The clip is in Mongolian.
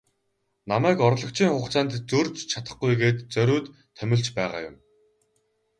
Намайг орлогчийн хугацаанд зөрж чадахгүй гээд зориуд томилж байгаа юм.